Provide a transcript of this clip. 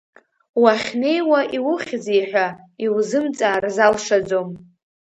Уахьнеиуа иухьзеи ҳәа иузымҵаар залшаӡом.